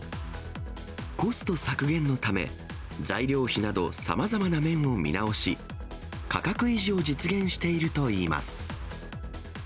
コスト削減のため、材料費など、さまざまな面を見直し、価格維持を実現しているといいます。